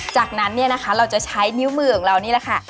จากนั้นเนี่ยนะคะเราจะใช้นิ้วมือของเรานี่แหละค่ะ